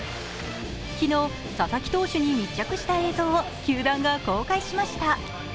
昨日、佐々木投手に密着した映像を球団が公開しました。